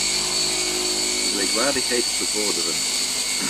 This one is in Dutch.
Dat zou de gelijkwaardigheid bevorderen.